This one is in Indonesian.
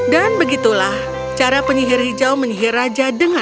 dan begitulah cara penyihir hijau menyihir raja